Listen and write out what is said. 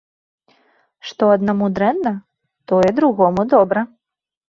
Што аднаму дрэнна, тое другому добра.